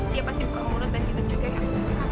dia pasti buka mulut dan kita juga yang susah